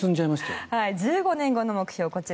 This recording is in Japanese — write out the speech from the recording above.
１５年後の目標